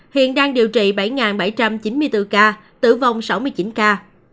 hiện đang điều trị bảy bảy trăm chín mươi bốn ca tử vong sáu mươi chín ca